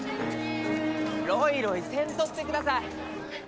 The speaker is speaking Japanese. ろいろいせんとってください。